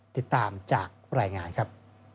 ติดตามจากรายงานครับ